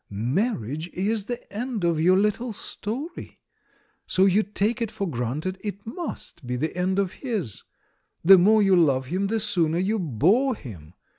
Marriage is the end of your Httle story, so you take it for granted it must be the end of his. The more you love him, the sooner you bore him.